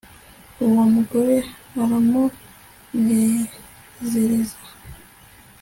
uwo mugore aramunezereza